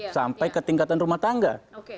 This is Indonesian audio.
sampai ke tingkatan rumah tangga